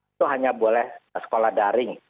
itu hanya boleh sekolah daring